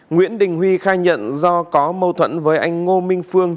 nguyễn đình huy khai nhận do có mâu thuẫn với anh ngô minh phương